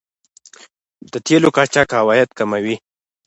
د تیلو قاچاق عواید کموي.